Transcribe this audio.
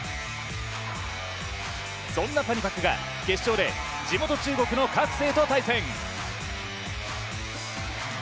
そんなパニパクが決勝で地元・中国のカクセイと対戦。